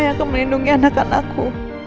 yang akan melindungi anak anakku